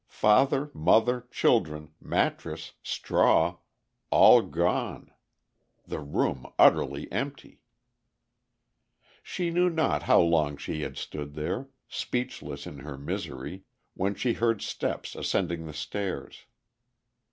Father, mother, children, mattress, straw—all gone—the room utterly empty! She knew not how long she had stood there, speechless in her misery, when she heard steps ascending the stairs.